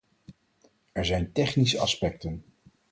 Er zijn technische aspecten.